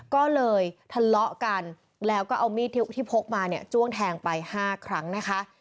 ก็เลยทะเลาะกันแล้วก็เอามีดที่พกมาเนี่ยจ้วงแทงไป๕ครั้งนะคะ